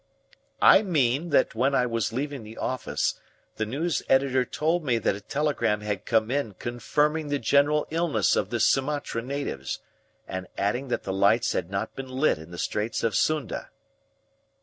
"I mean that when I was leaving the office the news editor told me that a telegram had come in confirming the general illness of the Sumatra natives, and adding that the lights had not been lit in the Straits of Sunda."